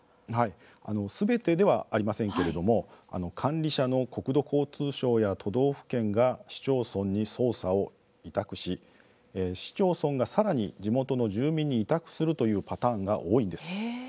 すべてではありませんけれども管理者の国土交通省や都道府県が市町村に操作を委託し、市町村がさらに地元の住民に委託するというパターンが多いんです。